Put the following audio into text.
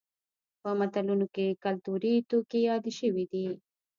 په متلونو کې کولتوري توکي یاد شوي دي